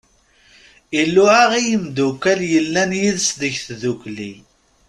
Iluɛa i yimddukal yellan yid-s deg tddukli.